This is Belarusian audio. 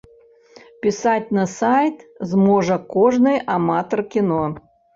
Пісаць на сайт зможа кожны аматар кіно.